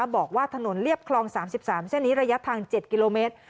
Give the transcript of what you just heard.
บอกว่าถนนเรียบคลอง๓๓เส้นนี้ระยะทาง๗กิโลเมตร